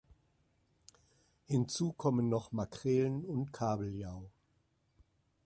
Hinzu kommen noch Makrelen und Kabeljau.